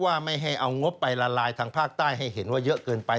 ว่าไม่ให้เอางบไปละลายทางภาคใต้ให้เห็นว่าเยอะเกินไป